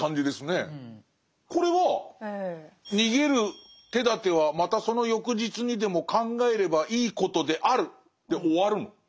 これは「逃げるてだてはまたその翌日にでも考えればいいことである」で終わるの？